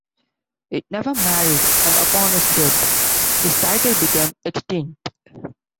He never married, and upon his death, his title became extinct.